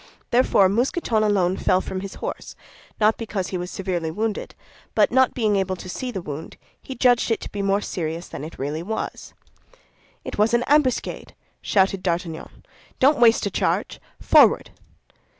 Therefore Mousqueton alone fell from his horse, not because he was severely wounded, but not being able to see the wound, he judged it to be more serious than it really was. "It was an ambuscade!" shouted D'Artagnan. "Don't waste a charge! Forward!"